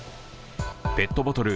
ペットボトル